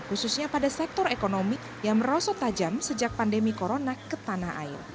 khususnya pada sektor ekonomi yang merosot tajam sejak pandemi corona ke tanah air